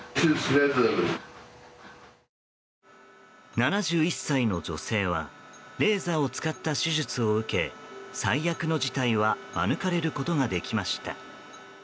７１歳の女性はレーザーを使った手術を受け最悪の事態は免れることができました。